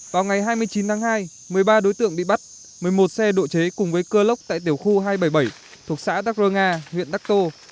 vào ngày hai mươi chín tháng hai một mươi ba đối tượng bị bắt một mươi một xe độ chế cùng với cơ lốc tại tiểu khu hai trăm bảy mươi bảy thuộc xã đắc rơ nga huyện đắc tô